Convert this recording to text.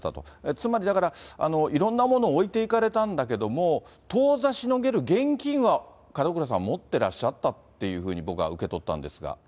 つまりだから、いろんなものを置いていかれたんだけれども、とうざしのげる現金は門倉さん持ってらっしゃったというふうに僕そうですね。